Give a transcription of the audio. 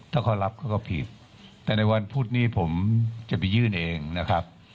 ถ้าเขารับเขาก็ผิดแต่ในวันพุธนี้ผมจะไปยื่นเองนะครับ